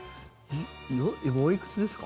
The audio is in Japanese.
今、おいくつですか？